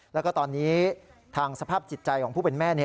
แล้วก็ตอนนี้ทางสภาพจิตใจของผู้เป็นแม่